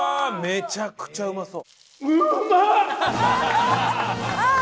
めちゃくちゃうまそう！